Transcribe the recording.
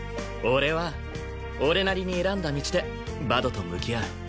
俺は俺なりに選んだ道でバドと向き合う。